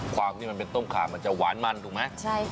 ความที่มันเป็นต้มขามันจะหวานมันถูกไหม